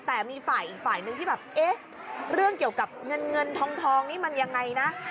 แต่มีฝ่ายอีกฝ่ายนึงที่แบบเอ๊ะเรื่องเกี่ยวกับเงินเงินทองนี่มันยังไงนะ